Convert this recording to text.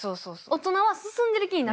大人は進んでいる気になってる。